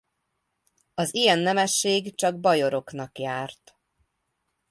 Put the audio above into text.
Az ilyen nemesség csak bajoroknak járt.